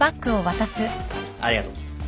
ありがとう。